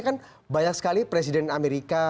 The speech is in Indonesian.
kan banyak sekali presiden amerika